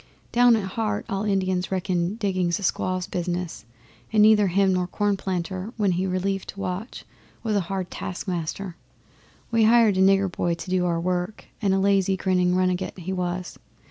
Down at heart all Indians reckon digging a squaw's business, and neither him nor Cornplanter, when he relieved watch, was a hard task Master. We hired a nigger boy to do our work, and a lazy grinning runagate he was.